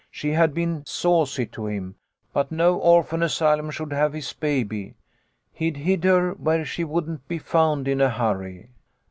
She had been saucy to him, but no orphan asylum should have his baby. He'd hide her where she wouldn't be found in a hurry.